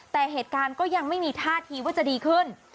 แต่เหตุการณ์ก็ยังไม่มีท่าทีว่าจะดีขึ้น